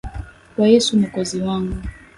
Kwa Yesu, Mwokozi wangu.